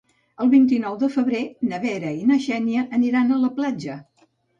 El vint-i-nou de febrer na Vera i na Xènia aniran a la platja.